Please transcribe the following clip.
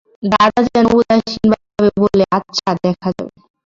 দাদা যেন উদাসীনভাবে বললে, আচ্ছা দেখা যাবে।